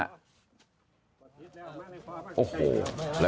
พ่อขอบคุณครับ